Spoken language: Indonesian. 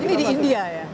ini di india ya